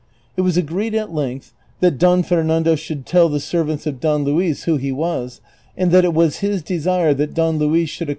It was agreed at length that Don Fernando should tell the servants of Don Luis who he was, and that it Avas his desire that Don Luis should accom ' V.